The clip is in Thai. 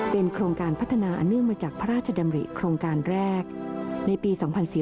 เป็นโครงการพัฒนาอันเนื่องมาจากพระราชดำริโครงการแรกในปี๒๔๙